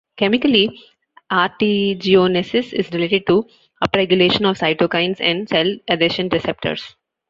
Chemically, arteriogenesis is related to upregulation of cytokines and cell adhesion receptors.